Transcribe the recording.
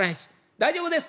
「大丈夫です。